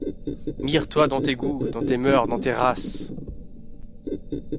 Mire-toi d’ans tes goûts, dans tes mœurs, dans tes races !